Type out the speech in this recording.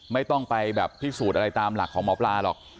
ไม่ต้องไปแบบพิสูจน์อะไรตามหลักของหมอปลาหรอก